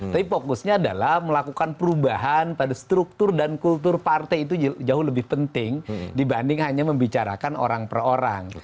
tapi fokusnya adalah melakukan perubahan pada struktur dan kultur partai itu jauh lebih penting dibanding hanya membicarakan orang per orang